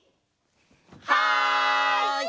はい！